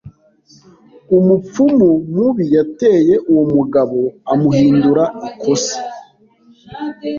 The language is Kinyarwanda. Umupfumu mubi yateye uwo mugabo amuhindura ikosa.